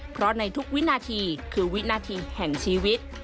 เพราะในทุกวินาทีคือวินาทีแห่งชีวิต